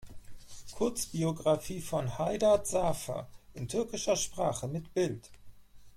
Kurzbiografie von Haydar Zafer in türkischer Sprache mit Bild